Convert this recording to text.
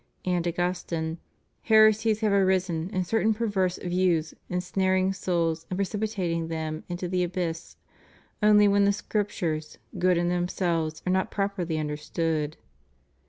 ^ And Augustine: "Heresies have arisen, and certain perverse views ensnaring souls and precipitating them into the abyss only when the Scriptures, good in themselves, are not properly understood."